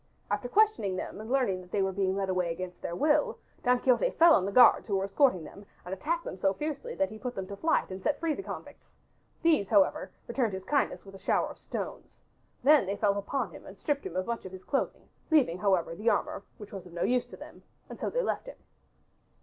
After questioning them and learning that they were being led away against their will Don Quixote fell on the guards who were escorting them and attacked them so fiercely that he put them to flight and set free the convicts. These, however, returned his kindness by a shower of stones. They then fell upon him and stripped him of much of his clothing, leaving, however, the armor which was of no use to them, and so they left him.